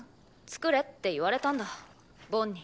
作れって言われたんだボンに。